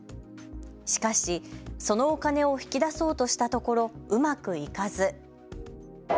しかし、そのお金を引き出そうとしたところ、うまくいかず。